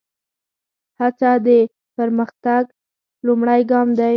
هڅه د پرمختګ لومړی ګام دی.